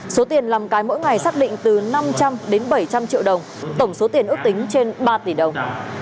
số tiền làm cái mỗi ngày xác định từ năm trăm linh đến bảy trăm linh triệu đồng tổng số tiền ước tính trên ba tỷ đồng